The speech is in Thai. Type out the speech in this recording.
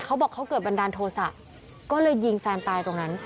เขาบอกเขาเกิดบันดาลโทษะก็เลยยิงแฟนตายตรงนั้น